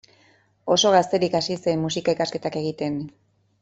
Oso gazterik hasi zen musika-ikasketak egiten.